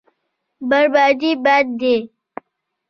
بربادي بد دی.